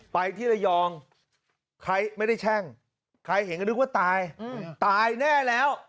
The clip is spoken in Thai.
ไปที่ระยองใครไม่ได้แช่งใครเห็นก็นึกว่าตายตายแน่แล้ว